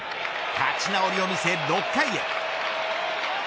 立ち直りを見せ６回へ。